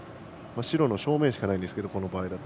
白の正面しかないんですけどこの場合だと。